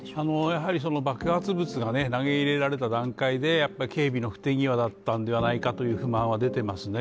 やはり爆発物が投げ入れられた段階で警備の不手際だったんではないかという不満は出ていますね。